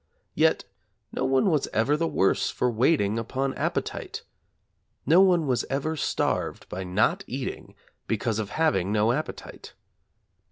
Yet no one was ever the worse for waiting upon appetite. No one was ever starved by not eating because of having no appetite.